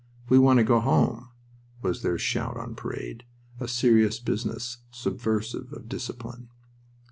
"We want to go home!" was their shout on parade. A serious business, subversive of discipline.